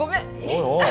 おいおい。